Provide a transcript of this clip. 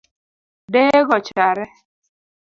Deye go ochare